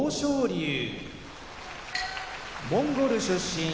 龍モンゴル出身